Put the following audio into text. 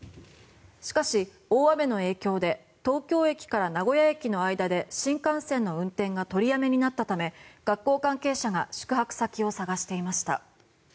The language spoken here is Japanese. しかし、大雨の影響で東京駅から名古屋駅の間で新幹線の運転が取りやめになったため学校関係者が宿泊先を探していました。